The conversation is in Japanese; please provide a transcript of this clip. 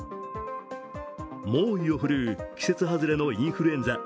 猛威を振るう季節外れのインフルエンザ。